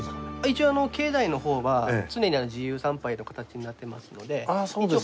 一応境内の方は常に自由参拝の形になってますので。